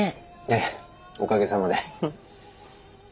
ええおかげさまで。